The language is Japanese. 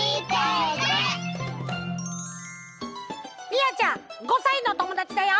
みやちゃん５さいのおともだちだよ。